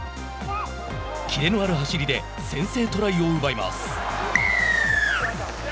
キレのある走りで先制トライを奪います。